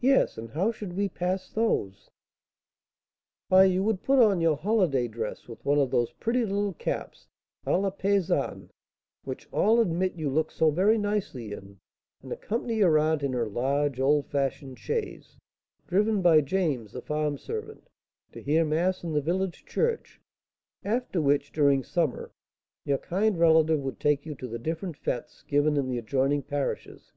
"Yes; and how should we pass those?" "Why, you would put on your holiday dress, with one of those pretty little caps à la paysanne, which all admit you look so very nicely in, and accompany your aunt in her large old fashioned chaise, driven by James the farm servant, to hear mass in the village church; after which, during summer, your kind relative would take you to the different fêtes given in the adjoining parishes.